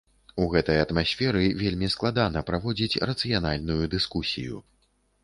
У гэтай атмасферы вельмі складана праводзіць рацыянальную дыскусію.